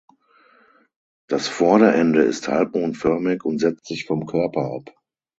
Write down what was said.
Das Vorderende ist halbmondförmig und setzt sich vom Körper ab.